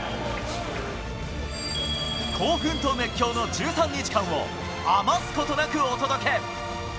興奮と熱狂の１３日間を余すことなくお届け。